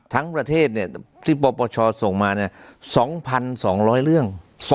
ทั้งประเทศเนี่ยที่ปปชส่งมาเนี่ย๒๒๐๐เรื่อง